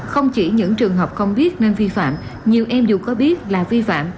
không chỉ những trường hợp không biết nên vi phạm nhiều em dù có biết là vi phạm